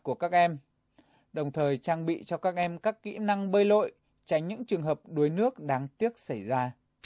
các em đồng thời trang bị cho các em các kỹ năng bơi lội tránh những trường hợp đuối nước đáng tiếc xảy ra